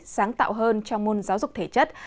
sáng tạo hơn trong môn giáo dục thể chất